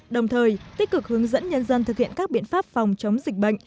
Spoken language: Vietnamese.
đồng thời tích cực hướng dẫn nhân dân thực hiện các biện pháp phòng chống dịch bệnh